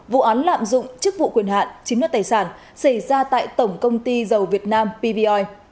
vụ án lạm dụng chức vụ quyền hạn chiếm đất tài sản xảy ra tại tổng công ty dầu việt nam pvoi